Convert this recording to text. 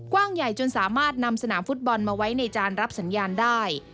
กว้างใหญ่จนสามารถนำสนามฟุตบอลมาไว้ในจานรับสัญญาณได้